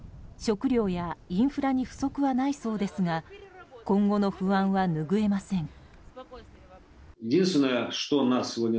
食料やインフラに不足はないそうですが今後の不安はぬぐえません。